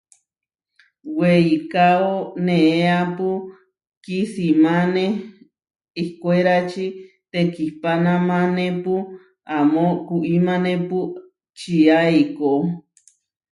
Weikáo neéapu kisimané ihkwérači, tekihpanamanépu amó kuimanépu čia eikó.